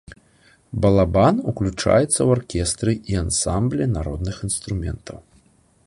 Балабан ўключаецца ў аркестры і ансамблі народных інструментаў.